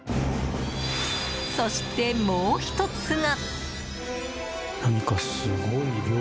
そして、もう１つが。